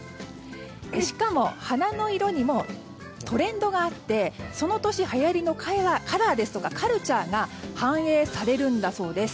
しかも、花の色にもトレンドがあってその年はやりのカラーですとかカルチャーが反映されるんだそうです。